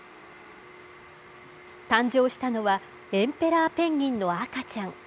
誕生したのは、エンペラーペンギンの赤ちゃん。